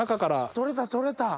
取れた取れた！